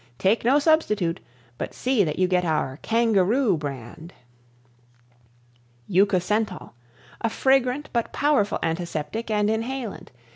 Take no substitute but see that you get our "Kangaroo" Brand. Euca Scentol A fragrant but powerful Antiseptic and Inhalant.